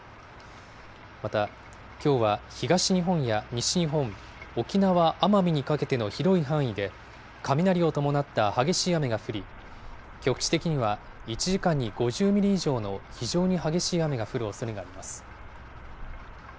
また、きょうは東日本や西日本、沖縄・奄美にかけての広い範囲で、雷を伴った激しい雨が降り、局地的には１時間に５０ミリ以上の非常に激しい雨が降るおそれがあります。